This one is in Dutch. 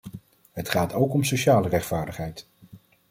Het gaat ook om sociale rechtvaardigheid.